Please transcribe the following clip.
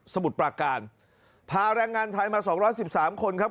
มุดปราการพาแรงงานไทยมาสองร้อยสิบสามคนครับ